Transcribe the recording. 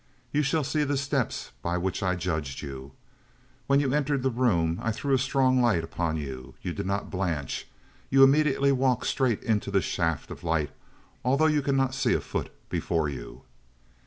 You shall see the steps by which I judged you. When you entered the room I threw a strong light upon you. You did not blanch; you immediately walked straight into the shaft of light although you could not see a foot before you."